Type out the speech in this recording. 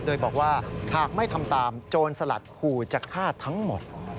โดยบอกว่าหากไม่ทำตามโจรสลัดขู่จะฆ่าทั้งหมด